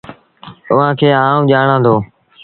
اُئآݩٚ کي آئوٚنٚ ڄآڻآنٚ دو۔